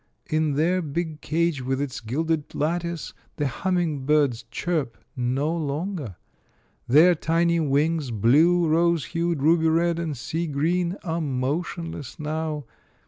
In their big cage with its gilded lattice, the humming birds chirp no longer. Their tiny wings, blue, rose hued, ruby red, and sea green, are motionless now.